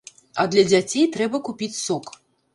А для дзяцей трэба купіць сок.